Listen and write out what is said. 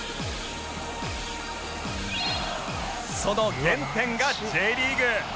その原点が Ｊ リーグ